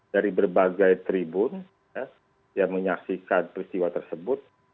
dari berbagai tribun yang menyaksikan peristiwa tersebut